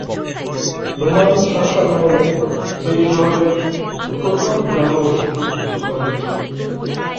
Roman শাসনামলে এই শহরে প্রথম জনবসতি গড়ে ওঠে।